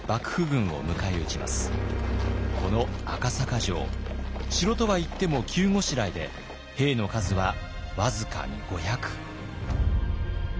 この赤坂城城とはいっても急ごしらえで兵の数はわずかに５００。